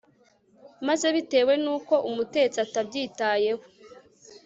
maze bitewe nuko umutetsi atabyitayeho